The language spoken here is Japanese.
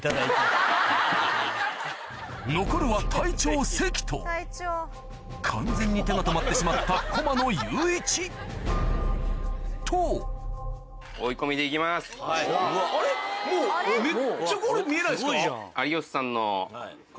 残るは隊長関と完全に手が止まってしまった駒野友一とえっ！